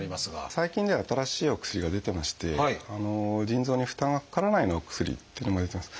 最近では新しいお薬が出てまして腎臓に負担がかからないようなお薬っていうのも出てます。